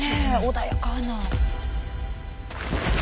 穏やかな。